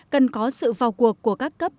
cần có sự vào cuộc của các cấp